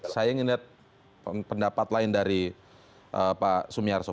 saya ingin lihat pendapat lain dari pak sumi arso